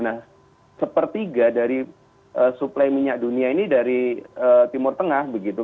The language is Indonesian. nah sepertiga dari suplai minyak dunia ini dari timur tengah begitu